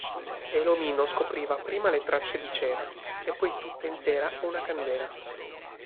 E l'omino scopriva prima le tracce di cera e poi tutta intera una candela!